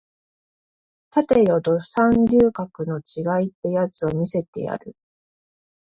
立てよド三流格の違いってやつを見せてやる